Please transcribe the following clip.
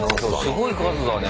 すごい数だね。